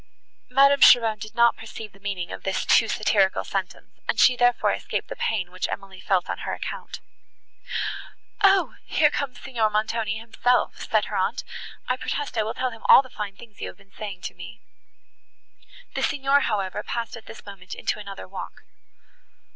Madame Cheron did not perceive the meaning of this too satirical sentence, and she, therefore, escaped the pain, which Emily felt on her account. "O! here comes Signor Montoni himself," said her aunt, "I protest I will tell him all the fine things you have been saying to me." The Signor, however, passed at this moment into another walk.